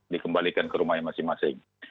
dikembalikan ke rumah yang masing masing